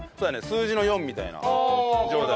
数字の４みたいな状態。